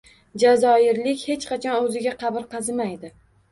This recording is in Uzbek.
Jazoirlik hech qachon o`ziga qabr qazimaydi